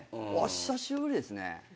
久しぶりですね。